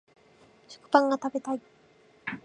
食パンが食べたい